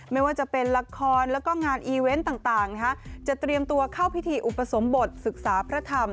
ไม่ว่าจะเป็นละครแล้วก็งานอีเวนต์ต่างจะเตรียมตัวเข้าพิธีอุปสมบทศึกษาพระธรรม